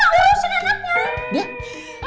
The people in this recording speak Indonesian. sama urusan anaknya